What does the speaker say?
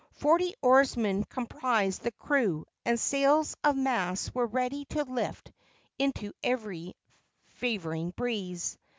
Forty oarsmen comprised the crew, and sails of mats were ready to lift into every favoring breeze.